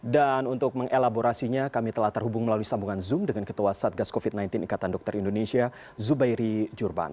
dan untuk mengelaborasinya kami telah terhubung melalui sambungan zoom dengan ketua satgas covid sembilan belas ikatan dokter indonesia zubairi jurban